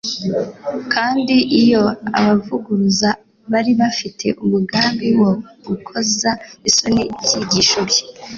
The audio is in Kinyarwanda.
Kandi iyo abavuguruza bari bafite umugambi wo gukoza isoni ibyigisho bye.